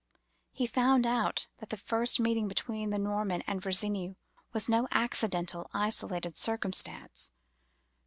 He found out that the first meeting between the Norman and Virginie was no accidental, isolated circumstance.